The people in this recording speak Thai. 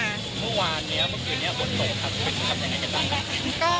เมื่อนี้เมื่อกี๊บนี้หนีบนกละโกรธจากเมื่อไหนไหมครับ